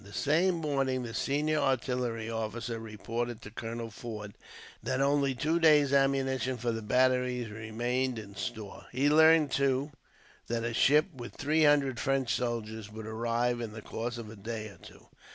The same morning, the senior artillery officer reported to Colonel Forde that only two days' ammunition for the batteries remained in store. He learned, too, that a ship with three hundred French soldiers would arrive, in the course of a day or two.